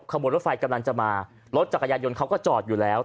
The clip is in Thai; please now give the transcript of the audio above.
ขบวนรถไฟกำลังจะมารถจักรยานยนต์เขาก็จอดอยู่แล้ว